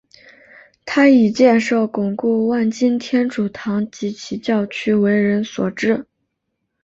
他以建设巩固万金天主堂及其教区为人所知。